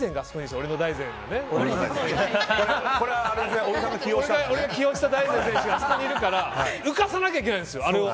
俺が起用した大然選手があそこにいるから浮かさないといけないんですよ。